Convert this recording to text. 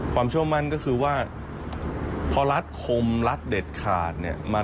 ความเชื่อมั่นก็คือว่าพอรัฐคมรัฐเด็ดขาดเนี่ย